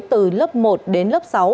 từ lớp một đến lớp sáu